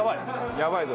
やばいぞ。